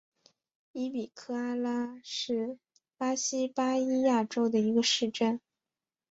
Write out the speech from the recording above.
伊比科阿拉是巴西巴伊亚州的一个市镇。